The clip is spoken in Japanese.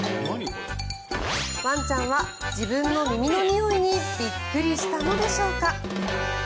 ワンちゃんは自分の耳のにおいにびっくりしたのでしょうか。